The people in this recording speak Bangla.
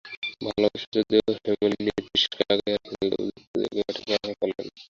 ভালোবাসায় যদিও হেমনলিনীর বিশ্বাসকে আগলাইয়া রাখিয়াছিল, তবু যুক্তিকে একেবারেই ঠেকাইয়া রাখা চলে না।